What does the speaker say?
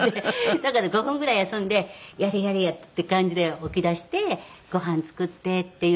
だから５分ぐらい休んで「やれやれ」っていう感じで起きだしてご飯作ってっていう。